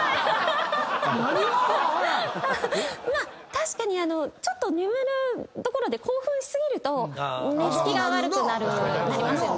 確かにちょっと眠るところで興奮し過ぎると寝付きが悪くなりますよね。